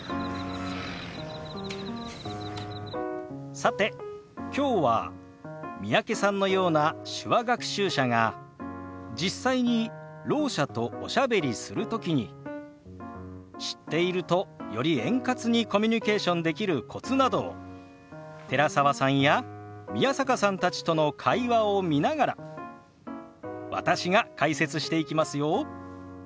さてきょうは三宅さんのような手話学習者が実際にろう者とおしゃべりする時に知っているとより円滑にコミュニケーションできるコツなどを寺澤さんや宮坂さんたちとの会話を見ながら私が解説していきますよ。